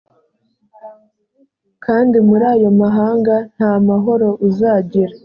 kandi muri ayo mahanga, nta mahoro uzagira,